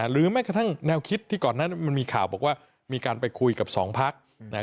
แม้กระทั่งแนวคิดที่ก่อนนั้นมันมีข่าวบอกว่ามีการไปคุยกับสองพัก